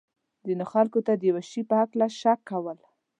ځینو خلکو ته د یو شي په هکله شک کول.